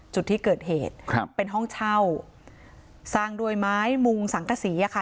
จุดที่เกิดเหตุครับเป็นห้องเช่าสร้างด้วยไม้มุงสังกษีอ่ะค่ะ